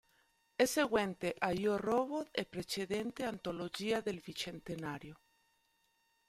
È seguente a "Io, Robot" e precedente a "Antologia del bicentenario".